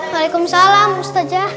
waalaikumsalam ustaz jah